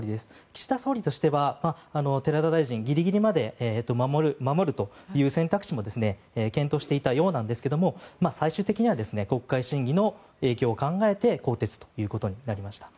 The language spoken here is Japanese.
岸田総理としては寺田大臣をギリギリまで守るという選択肢も検討していたようですが最終的には国会審議の影響を考えて更迭ということになりました。